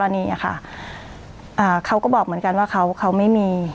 ผู้กรณีอ่ะค่ะอ่าเขาก็บอกเหมือนกันว่าเขาเขาไม่มี